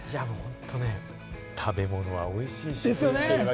食べ物おいしいですし。